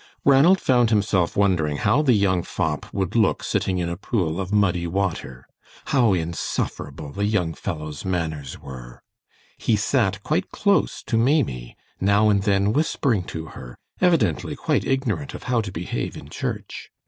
Ranald found himself wondering how the young fop would look sitting in a pool of muddy water. How insufferable the young fellow's manners were! He sat quite close to Maimie, now and then whispering to her, evidently quite ignorant of how to behave in church.